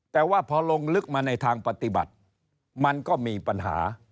แต่ว่าพอลงลึกมาในทางปฏิบัติมันก็มีปัญหา